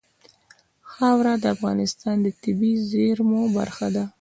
خاوره د افغانستان د طبیعي زیرمو برخه ده.